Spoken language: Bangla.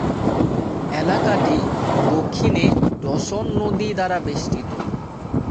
এলাকাটি দক্ষিণে ডসন নদী দ্বারা বেষ্টিত।